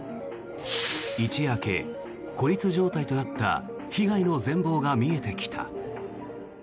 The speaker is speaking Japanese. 一夜明け、孤立状態となった被害の全ぼうが見えてきた。